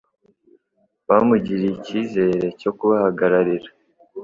bamugiriye icyizere cyo kubahagararira